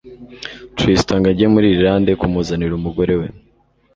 Tristan ngo ajye muri Ireland kumuzanira umugore we